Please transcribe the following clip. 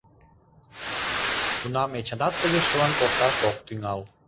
Тунам Эчанат тыге шылын кошташ ок тӱҥал.